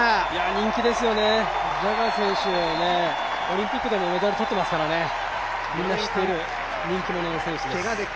人気ですよね、ジャガー選手オリンピックでもメダルを取っていますからみんな知っている、人気者の選手です。